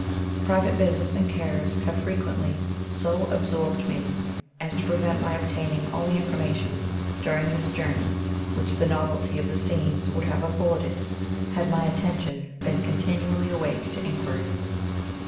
Private business and cares have frequently so absorbed me as to prevent my obtaining all the information during this journey which the novelty of the scenes would have afforded, had my attention been continually awake to inquiry.